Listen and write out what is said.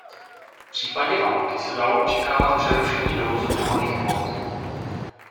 V případě války se dalo očekávat přerušení dovozu pohonných hmot.